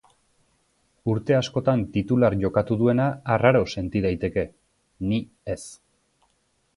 Urte askotan titular jokatu duena arraro senti daiteke, ni ez.